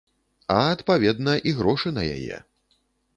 А адпаведна, і грошы на яе.